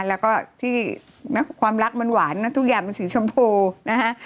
แล้วก็ที่นะความรักหวานทุกอย่าเป็นสีชมพูนะฮะ